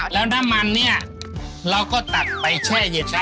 แล้วน้ำมันเนี่ยเราก็ตัดไปแช่เย็น